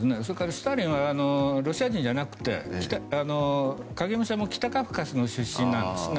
スターリンはロシア人じゃなくて影武者も北カフカの出身なんですね。